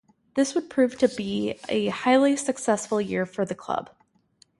This would prove to be a highly successful year for the club.